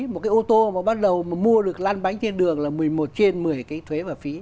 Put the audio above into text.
một cái ô tô mà bắt đầu mà mua được lan bánh trên đường là một mươi một trên một mươi cái thuế và phí